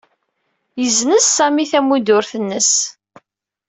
Yessenz Sami tamudrut-nnes.